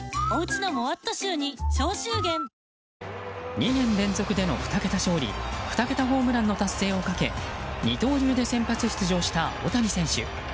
２年連続での２桁勝利２桁ホームランの達成をかけ二刀流で先発出場した大谷選手。